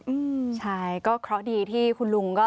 ใช่ก็เพราะดีที่คุณลุงก็